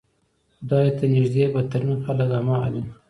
خدای ته نږدې بدترین خلک همغه دي.